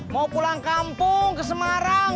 mau pulang kampung ke semarang